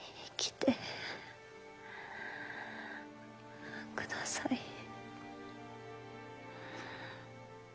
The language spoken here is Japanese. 生きてください。